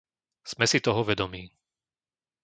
Sme si toho vedomí.